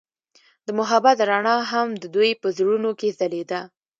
د محبت رڼا هم د دوی په زړونو کې ځلېده.